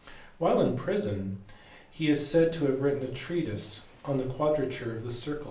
While in prison he is said to have written a treatise on the quadrature of the circle.